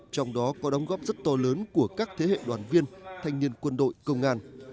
trong đó có đóng góp rất to lớn của các thế hệ đoàn viên thanh niên quân đội công an